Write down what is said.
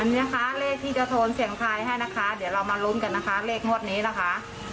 นะคะเลขที่จะโทนเสียงทายให้นะคะเดี๋ยวเรามาลุ้นกันนะคะเลขงวดนี้นะคะ